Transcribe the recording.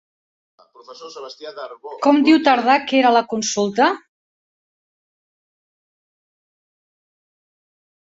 Com diu Tardà que era la consulta?